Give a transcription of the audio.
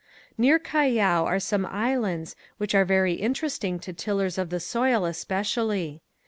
Near Callao are some islands which are very interesting to tillers of the soil especially.